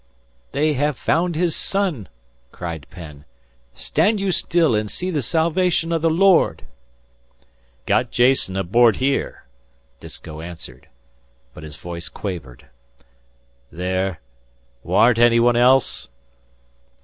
"They have found his son," cried Penn. "Stand you still and see the salvation of the Lord!" "Got Jason aboard here," Disko answered, but his voice quavered. "There warn't any one else?"